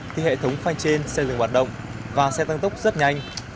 thì hệ thống khoanh trên xe dừng hoạt động và xe tăng tốc rất nhanh